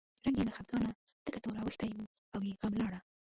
رنګ یې له خپګانه تک تور اوښتی و او یې غم لاره.